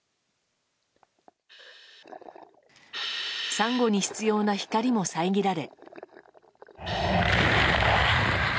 サンゴに必要な光も遮られ。